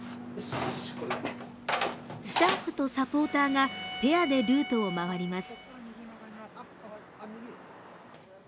スタッフとサポーターがペアでルートを回ります。